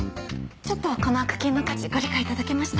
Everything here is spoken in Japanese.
ちょっとはこのアクキーの価値ご理解頂けました？